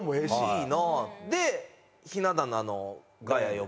で。